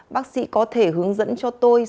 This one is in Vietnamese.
bác sĩ có thể hướng dẫn cho tôi